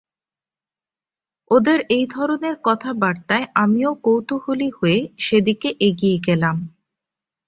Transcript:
ওদের এই ধরনের কথাবার্তায় আমিও কৌতুহলী হয়ে সেদিকে এগিয়ে গেলাম।